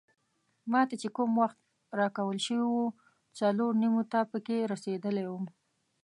ما ته چې کوم وخت راکول شوی وو څلور نیمو ته پکې رسیدلی وم.